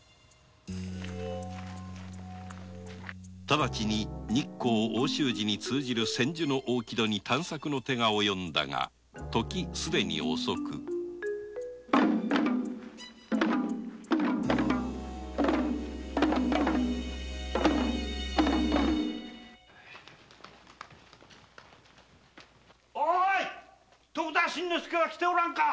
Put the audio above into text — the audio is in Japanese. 直ちに日光奥州路に通じる千住の大木戸に探索の手が及んだが時既に遅くおい徳田新之助は来ておらんか！